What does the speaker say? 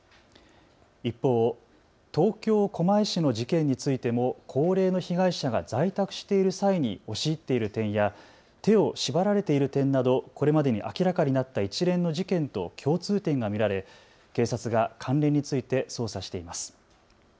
一方、東京狛江市の事件についても高齢の被害者が在宅している際に押し入っている点や手を縛られている点などこれまでに明らかになった一連の事件と共通点が見られ警察が関連について捜査しています。